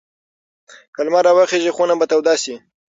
که لمر راوخېژي خونه به توده شي.